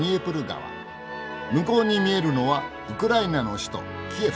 向こうに見えるのはウクライナの首都キエフ。